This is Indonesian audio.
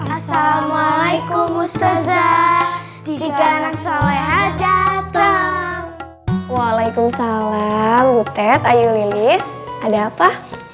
assalamualaikum ustazah di ganang soleh ada toh waalaikumsalam butet ayo lilis ada apa